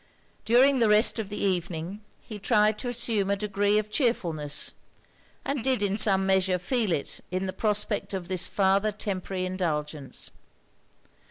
During the rest of the evening, he tried to assume a degree of chearfulness; and did in some measure feel it in the prospect of this farther temporary indulgence.